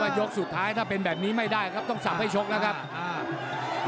แล้วสุดท้ายถ้าเป็นแบบนี้ไม่ได้ครับต้องสับให้ชกนะครับ